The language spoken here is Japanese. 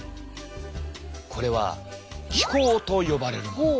これは気孔と呼ばれるもの。